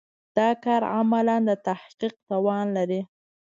دا کار عملاً د تحقق توان لري.